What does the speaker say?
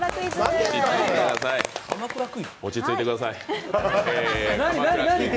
落ち着いてください。